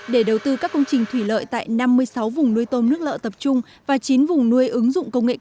để đầu tư các công trình thủy lợi tại năm mươi sáu vùng nuôi tôm nước lợ tập trung và chín vùng nuôi ứng dụng công nghệ cao